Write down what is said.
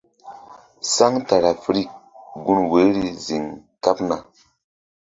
Centrafirikgun woyri ziŋ kaɓna.